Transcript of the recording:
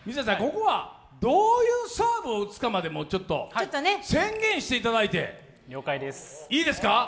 ここはどういうサーブを打つかまでもちょっとちょっとね宣言していただいて了解ですいいですか？